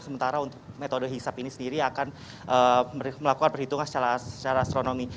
sementara untuk metode hisap ini sendiri akan melakukan perhitungan secara astronomi